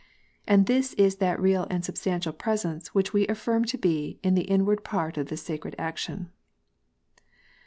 And this is that real and substantial presence which we affirm to be in the inward part of this sacred action."